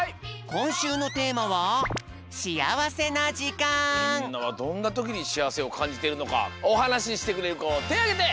こんしゅうのテーマはみんなはどんなときにしあわせをかんじてるのかおはなししてくれるこてをあげて！